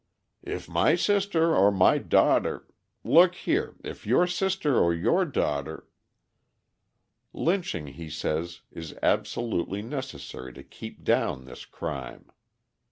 "If my sister or my daughter look here, if your sister or your daughter " Lynching, he says, is absolutely necessary to keep down this crime.